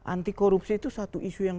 anti korupsi itu satu isu yang